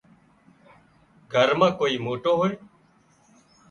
گھر مان ڪوئي موٽو هوئي